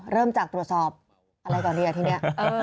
เริ่มจากตรวจสอบอะไรตอนนี้อ่ะทีนี้